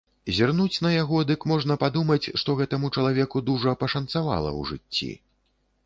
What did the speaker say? Зірнуць на яго, дык можна падумаць, што гэтаму чалавеку дужа пашанцавала ў жыцці.